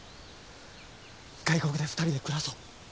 外国で２人で暮らそう。